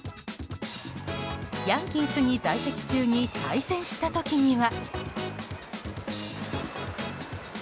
ヤンキースに在籍中に対戦した時には。